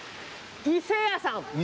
伊勢屋さん。